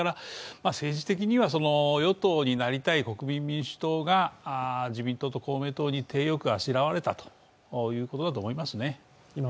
政治的には、与党になりたい国民民主党が自民党と公明党に体よくあしらわれたということだと思いますね。